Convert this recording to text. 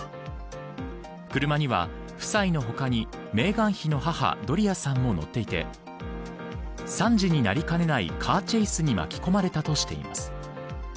車には、夫妻の他にメーガン妃の母ドリアさんも乗っていて惨事になりかねないカーチェイスに巻き込まれたとしています。